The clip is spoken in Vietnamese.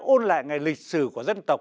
ôn lại ngày lịch sử của dân tộc